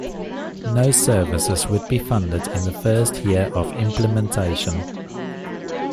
No services would be funded in the first year of implementation.